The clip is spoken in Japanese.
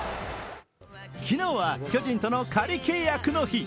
昨日は巨人との仮契約の日。